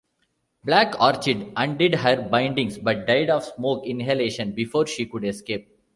Black Orchid undid her bindings but died of smoke inhalation before she could escape.